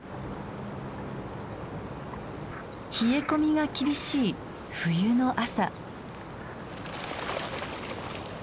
冷え込みが厳しい冬の朝。